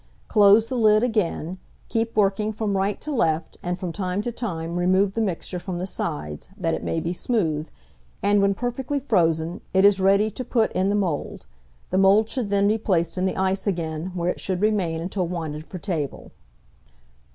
Close the lid again, keep working from right to left, and, from time to time, remove the mixture from the sides, that it may be smooth; and when perfectly frozen, it is ready to put in the mould; the mould should then be placed in the ice again, where it should remain until wanted for table.